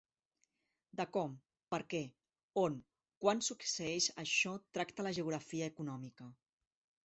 De com, perquè, on, quan succeeix això tracta la geografia econòmica.